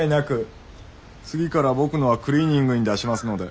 次から僕のはクリーニングに出しますので。